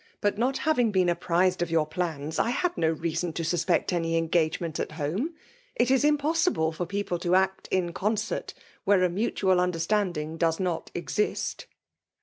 But not having been apprised of your plaB8> I had no reason to sitepect any engagement at home. It is imposffible fiw pecqple to act in concert where a mutual ttndsr ■tanding does not subsist.